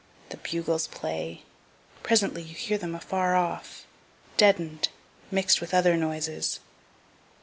The bugles play presently you hear them afar off, deaden'd, mix'd with other noises.